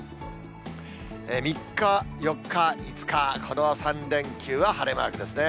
３日、４日、５日、この３連休は晴れマークですね。